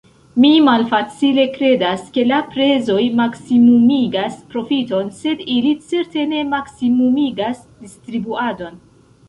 Mi malfacile kredas, ke la prezoj maksimumigas profiton, sed ili certe ne maksimumigas distribuadon.